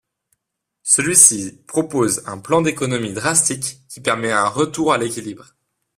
Celui-ci propose un plan d'économies drastiques qui permet un retour à l'équilibre.